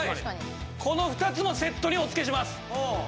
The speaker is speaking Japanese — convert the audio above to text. この２つもセットにお付けします。